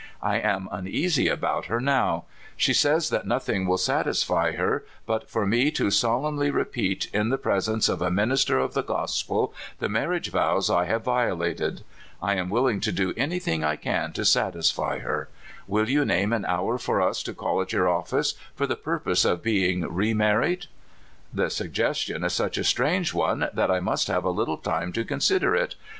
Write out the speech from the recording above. I am uneasy about her nowc She says that nothing will satisfy her but for me to solemnly repeat, in the presence of a minister of the gospel, the marriage vows I have violated. I am willing to do anything I can to satisfy her. Will you name an hour for us to call at your office for the purpose of being re married ?"" The suggestion is such a strange one that I must have a little time to consider it.